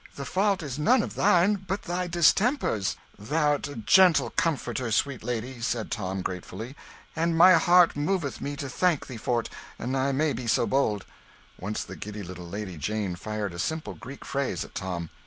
The fault is none of thine, but thy distemper's." "Thou'rt a gentle comforter, sweet lady," said Tom, gratefully, "and my heart moveth me to thank thee for't, an' I may be so bold." Once the giddy little Lady Jane fired a simple Greek phrase at Tom.